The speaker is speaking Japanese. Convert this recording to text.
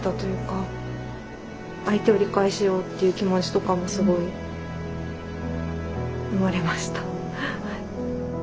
相手を理解しようっていう気持ちとかもすごい生まれました。